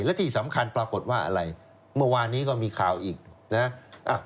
และที่สำคัญปรากฏว่าอะไรเมื่อวานนี้ก็มีข่าวอีกนะ